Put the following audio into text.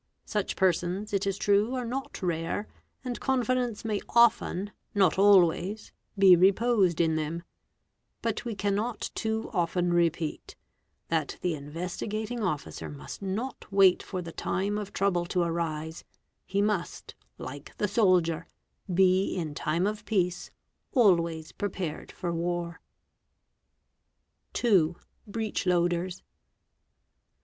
Such persons, it is true are not rare, and confidence may often—not always—be reposed in them ; but we cannot too often peat, that the Investigating Officer must not wait for 1c time of trouble to arise, he must, like the soldier, € in time of peace always prepared for war. Fig. 45, MINN Ss 429 WEAPONS (2), Breech Loaders.